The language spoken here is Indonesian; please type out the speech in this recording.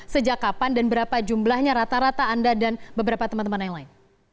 sejak kapan dan berapa jumlahnya rata rata anda dan beberapa teman teman yang lain